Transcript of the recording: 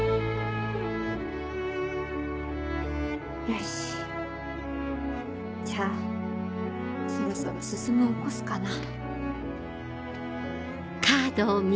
よしじゃあそろそろ進起こすかな。